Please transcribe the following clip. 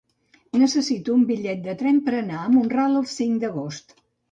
Necessito un bitllet de tren per anar a Mont-ral el cinc d'agost.